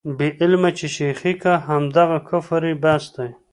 بې علمه چې شېخي کا، همدغه کفر یې بس دی.